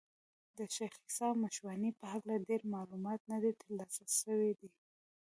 د شېخ عیسي مشواڼي په هکله ډېر معلومات نه دي تر لاسه سوي دي.